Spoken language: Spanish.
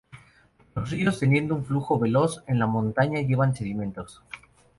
Los ríos, teniendo un flujo veloz en la montaña, llevan sedimentos.